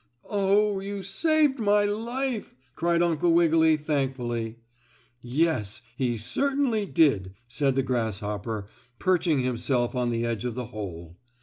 "Oh, you saved my life!" cried Uncle Wiggily, thankfully. "Yes, he certainly did," said the grasshopper, perching himself on the edge of the hole.